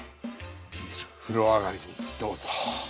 ビール風呂上がりにどうぞ！